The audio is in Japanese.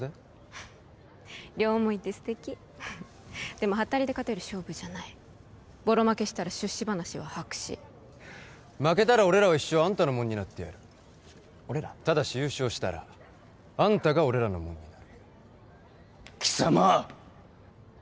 フッ両思いって素敵でもハッタリで勝てる勝負じゃないボロ負けしたら出資話は白紙負けたら俺らは一生あんたのもんになってやる俺ら？ただし優勝したらあんたが俺らのもんになる貴様っ